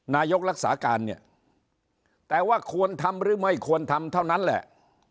นายกรักษาการเนี่ยแต่ว่าควรทำหรือไม่ควรทำเท่านั้นแหละ